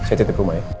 riza saya titik rumah ya